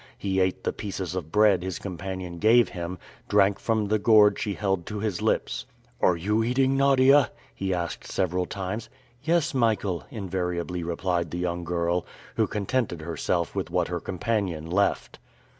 He ate the pieces of bread his companion gave him, drank from the gourd she held to his lips. "Are you eating, Nadia?" he asked several times. "Yes, Michael," invariably replied the young girl, who contented herself with what her companion left.